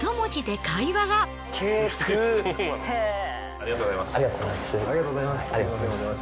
ありがとうございます。